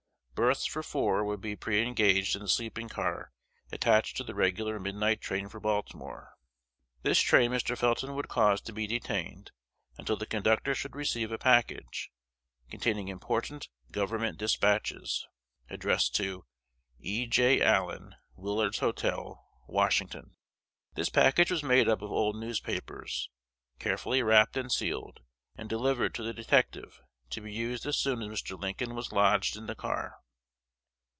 Berths for four would be pre engaged in the sleeping car attached to the regular midnight train for Baltimore. This train Mr. Felton would cause to be detained until the conductor should receive a package, containing important "government despatches," addressed to "E. J. Allen, Willard's Hotel, Washington." This package was made up of old newspapers, carefully wrapped and sealed, and delivered to the detective to be used as soon as Mr. Lincoln was lodged in the car.